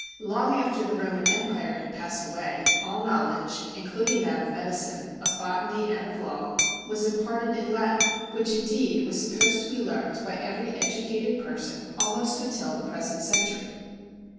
Long after the Roman Empire had passed away, all knowledge, including that of medicine, of botany, and of law, was imparted in Latin, which indeed was supposed to be learnt by every educated person almost until the present century.